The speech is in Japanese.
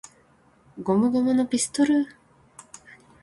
ゴムゴムのピストル!!!